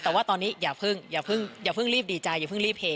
แต่ว่าตอนนี้อย่าเพิ่งอย่าเพิ่งรีบดีใจอย่าเพิ่งรีบเฮ